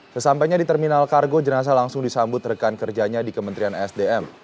sesampainya di terminal kargo jenazah langsung disambut rekan kerjanya di kementerian sdm